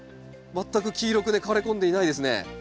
全く黄色く枯れこんでいないですね。